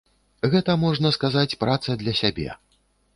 Гэта, можна сказаць, праца для сябе.